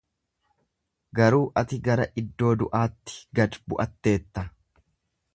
Garuu ati gara iddoo du’aatti gad bu’atteetta.